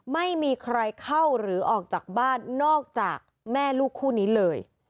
ไม่มีใครเข้าหรือออกจากบ้านนอกจากแม่ลูกคู่นี้เลย